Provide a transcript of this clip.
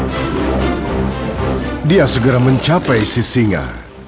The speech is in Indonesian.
sisinga segera mencapai sisinga